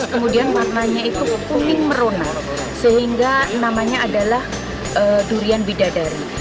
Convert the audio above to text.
kemudian warnanya itu kuning merona sehingga namanya adalah durian bidadari